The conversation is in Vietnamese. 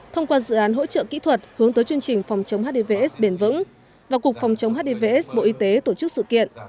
thông qua dự án hỗ trợ kỹ thuật hướng tới chương trình phòng chống hdvs bền vững và cục phòng chống hivs bộ y tế tổ chức sự kiện